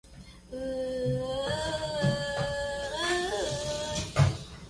Sin indusio.